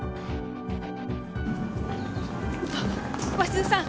・あっ鷲津さん